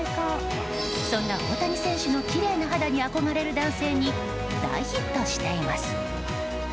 そんな大谷選手のきれいな肌に憧れる男性に大ヒットしています。